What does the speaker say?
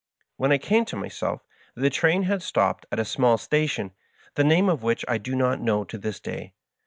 When I came to myself the train had stopped at a small station, the name of which I do not know to this day.